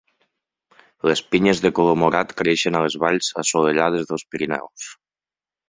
Les pinyes de color morat creixen a les valls assolellades dels Pirineus.